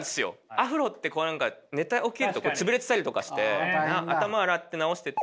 アフロって寝て起きると潰れてたりとかして頭洗って直してって。